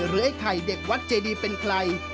ไอ้ไข่เด็กวัดเจดีเป็นใคร